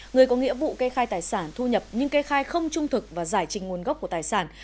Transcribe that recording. người có nghĩa vụ kê khai tài sản thu nhập nhưng kê khai không trung thực và giải trình nguồn gốc của tài sản